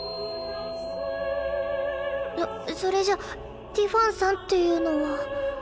そそれじゃティファンさんっていうのは。